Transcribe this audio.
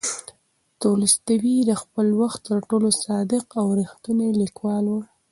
تولستوی د خپل وخت تر ټولو صادق او ریښتینی لیکوال و.